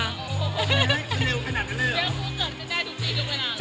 ลอกหึ้มขนาดนั้นเลยหรอ